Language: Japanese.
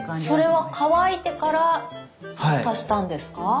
それは乾いてから足したんですか？